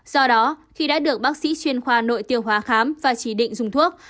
do đó khi đã được bác sĩ chuyên khoa nội tiêu hóa khám và chỉ định dùng thuốc